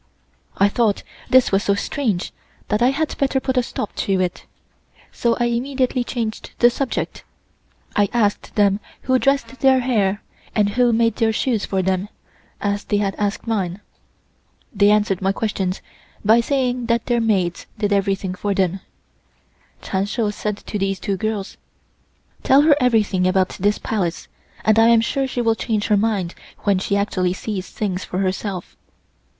I thought this was so strange that I had better put a stop to it, so I immediately changed the subject. I asked them who dressed their hair, and who made their shoes for them, as they had asked me. They answered my questions by saying that their maids did everything for them. Chun Shou said to these two girls: "Tell her everything about this Palace, and I am sure she will change her mind when she actually sees things for herself."